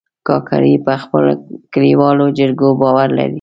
کاکړي په خپلو کلیوالو جرګو باور لري.